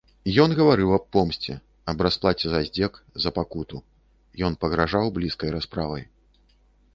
Ён гаварыў аб помсце, аб расплаце за здзек, за пакуту, ён пагражаў блізкай расправай.